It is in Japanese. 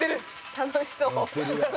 楽しそう。